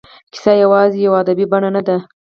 کیسه یوازې یوه ادبي بڼه نه ده.